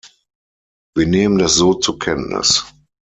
Wir nehmen das so zur Kenntnis.